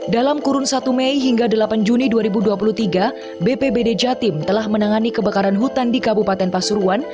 dalam kurun satu mei hingga delapan juni dua ribu dua puluh tiga bpbd jatim telah menangani kebakaran hutan di kabupaten pasuruan